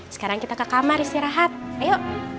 sekarang kita ke kamar istirahat ayo